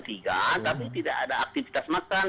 tapi tidak ada aktivitas yang berlaku